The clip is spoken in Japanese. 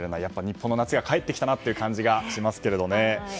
日本の夏が帰ってきたなという感じがしますけどもね。